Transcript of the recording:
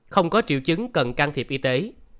không có triệu chứng cần can thiệp y tế